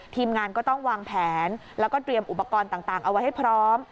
ทีมงานก็ต้องวางแผนแล้วก็เตรียมอุปกรณ์ต่างเอาไว้ให้พร้อม